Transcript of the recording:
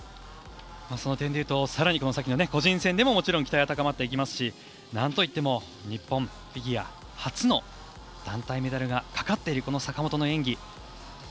その点でいうとさらにこの先が個人戦でももちろん期待が高まっていきますしなんといっても日本フィギュア初の団体メダルがかかっている坂本の演技。